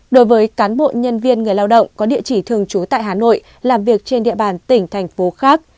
đối với cán bộ nhân viên người lao động có địa chỉ thường trú tại hà nội làm việc trên địa bàn tỉnh thành phố khác